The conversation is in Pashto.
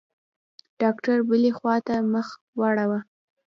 ډاکتر بلې خوا ته مخ واړاوه.